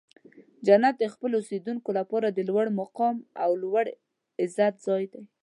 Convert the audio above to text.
جنت د خپلو اوسیدونکو لپاره د لوړ مقام او لوړ عزت ځای دی.